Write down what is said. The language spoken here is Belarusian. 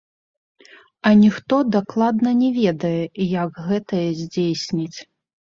Аніхто дакладна не ведае, як гэтае здзейсніць.